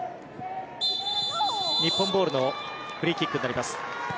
日本ボールのフリーキックになります。